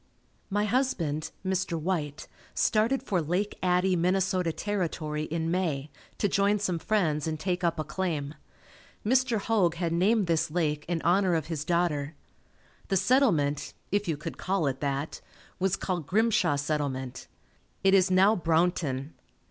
My husband, Mr. White, started for Lake Addie, Minnesota Territory, in May, to join some friends and take up a claim. Mr. Hoag had named this lake in honor of his daughter. The settlement, if you could call it that, was called Grimshaw Settlement. It is now Brownton.